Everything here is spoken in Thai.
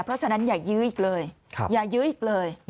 เพราะฉะนั้นอย่ายื้ออีกเลย